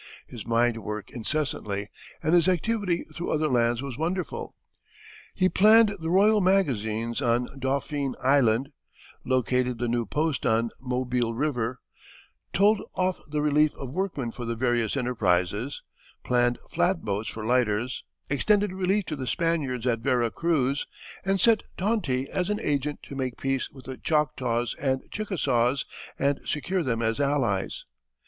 His mind worked incessantly, and his activity through other hands was wonderful. He planned the royal magazines on Dauphine Island, located the new post on Mobile River, told off the relief of workmen for the various enterprises, planned flat boats for lighters, extended relief to the Spaniards at Vera Cruz, and sent Tonti as an agent to make peace with the Choctaws and Chickasaws and secure them as allies.